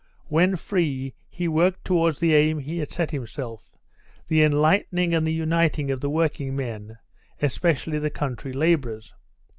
When free he worked towards the aim he had set himself, the enlightening and the uniting of the working men, especially the country labourers.